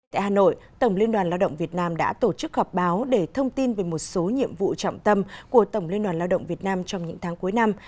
tại hà nội tổng liên đoàn lao động việt nam đã tổ chức họp báo để thông tin về một số nhiệm vụ trọng tâm của tổng liên đoàn lao động việt nam trong những tháng cuối năm